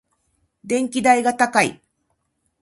電気代が高い。